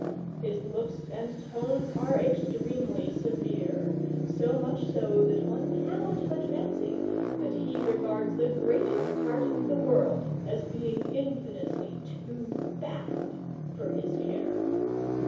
His looks and tones are extremely severe, so much so that one cannot but fancy that he regards the greater part of the world as being infinitely too bad for his care.